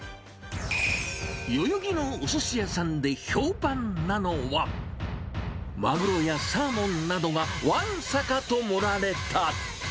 代々木のおすし屋さんで評判なのは、マグロやサーモンなどがわんさかと盛られた。